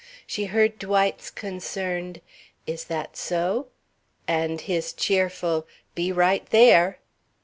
She heard Dwight's concerned "Is that so?" And his cheerful "Be right there."